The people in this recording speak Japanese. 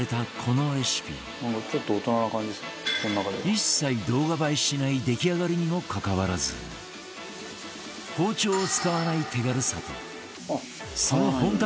一切動画映えしない出来上がりにもかかわらず包丁を使わない手軽さとその本格的な味で